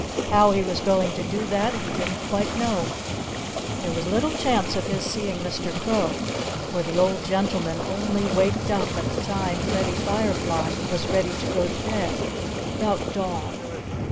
How he was going to do that he didn't quite know. There was little chance of his seeing Mr. Crow, for the old gentleman only waked up at the time Freddie Firefly was ready to go to bed about dawn.